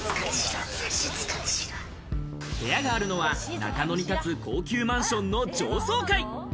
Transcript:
部屋があるのは、中野に建つ高級マンションの上層階。